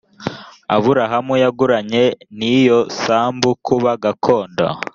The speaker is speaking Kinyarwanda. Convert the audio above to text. aburahamu yaguranye n iyo sambu kuba gakondo